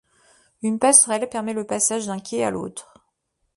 Une passerelle permet le passage d'un quai à l'autre.